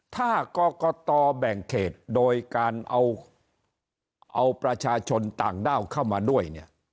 ถ้ากรกตแบ่งเขตโดยการเอาประชาชนต่างด้าวเข้ามาด้วยเนี่ย